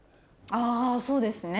あそうですね